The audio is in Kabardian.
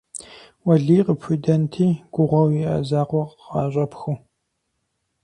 Уэлий къыпхуидэнти гугъэу иӀэ закъуэр къыӀэщӀэпхыу!